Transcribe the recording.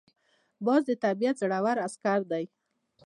باز د طبیعت زړور عسکر دی